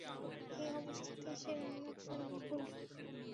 এই অবস্থাতেই সে রান্নাবান্না করল।